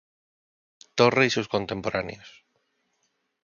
Torre y sus contemporáneos